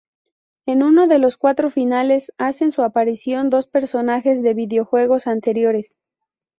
En uno de los cuatro finales, hacen su aparición dos personajes de videojuegos anteriores.